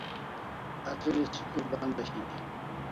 Atril'i school band ashini